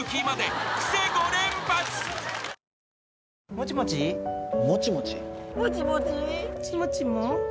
もちもちもちもちもちもちちもちも？